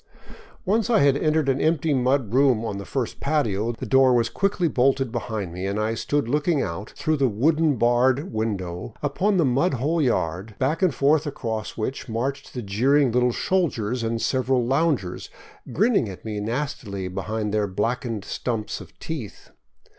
Once I had entered an empty mud room on the first patio, the door was quickly bolted behind me and I stood looking out through the wooden barred window upon the mud hole yard, back and forth across which marched the jeering little soldiers and several loungers, grin ning at me nastily behind their blackened stumps of teeth.